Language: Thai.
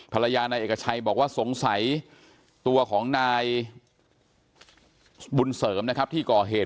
ภรรยานายเอกชัยบอกว่าสงสัยตัวของนายบุญเสริมนะครับที่ก่อเหตุ